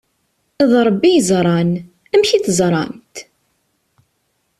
D Ṛebbi i yeẓṛan! "Amek i teẓṛamt?"